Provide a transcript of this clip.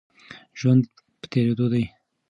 ژوند په تېرېدو دی.